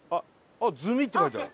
あっ「済」って書いてある。